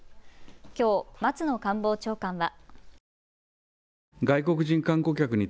きょう松野官房長官は。